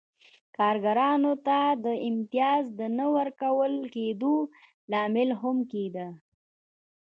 کارګرانو ته د امتیاز د نه ورکول کېدو لامل هم کېده.